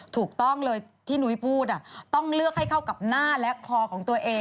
ถูกต้องเลยที่นุ้ยพูดต้องเลือกให้เข้ากับหน้าและคอของตัวเอง